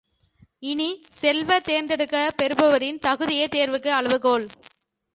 இனிய செல்வ, தேர்ந்தெடுக்கப் பெறுபவரின் தகுதியே தேர்வுக்கு அளவுகோல்.